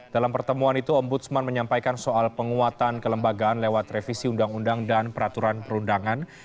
dalam pertemuan itu ombudsman menyampaikan soal penguatan kelembagaan lewat revisi undang undang dan peraturan perundangan